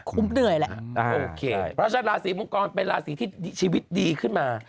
คุณเหนื่อยแล้วโอเคพระอาจารย์ราศีมังกรเป็นราศีที่ชีวิตดีขึ้นมา